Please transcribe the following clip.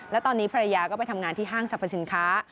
และตอนนี้ภรรยาก็ไปทำงานที่ห้างสรรพสินค้า